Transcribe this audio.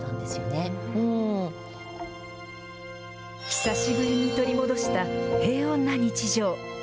久しぶりに取り戻した平穏な日常。